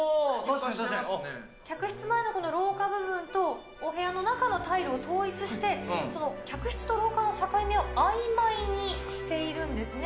客室前のこの廊下部分と、お部屋の中のタイルを統一して、客室と廊下の境目をあいまいにしているんですね。